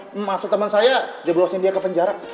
eh masuk temen saya jeblosin dia ke penjara